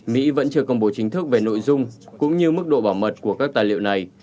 mỹ vẫn chưa công bố chính thức về nội dung cũng như mức độ bảo mật của các tài liệu này